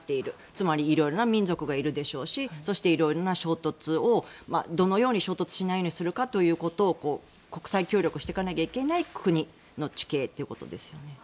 つまり、いろいろな民族がいるでしょうしいろいろな衝突をどのように衝突しないようにするかということを国際協力していかなければいけない地形ということですよね。